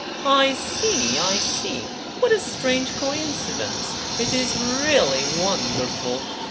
"I see, I see. What a strange coincidence. It is really wonderful!"